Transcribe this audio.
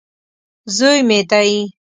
زوی مې دی.